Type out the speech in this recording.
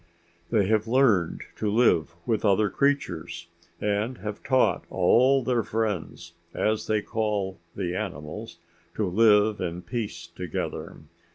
"They have learned to live with other creatures, and have taught all their friends, as they call the animals, to live in peace together.